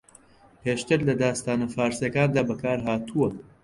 پێشتر لە داستانە فارسییەکاندا بەکارھاتوە